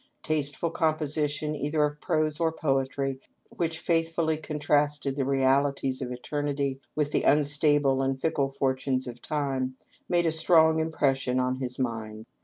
Taste ful composition, either of prose or poetry, which faithfully con trasted the realities of eternity with the unstable and fickle fortunes of time, made a strong impression on his mind.